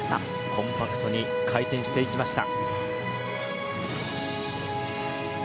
コンパクトに回転していきました。